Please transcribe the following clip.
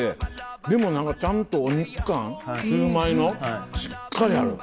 でも何かちゃんとお肉感シュウマイのしっかりある。